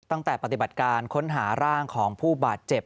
ตั้งแต่ปฏิบัติการค้นหาร่างของผู้บาดเจ็บ